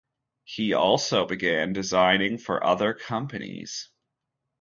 He also began designing for other companies.